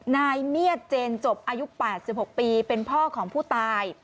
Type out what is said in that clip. นายเมียดเจนจบอายุ๘๖ปีเป็นพ่อของผู้ตาย